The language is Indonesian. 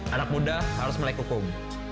anak muda harus melek hukum